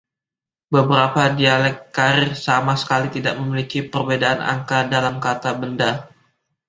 Beberapa dialek Carrier sama sekali tidak memiliki perbedaan angka dalam kata benda.